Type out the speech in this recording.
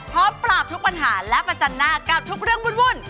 พร้อมปราบทุกปัญหาและประจันหน้ากับทุกเรื่องวุ่น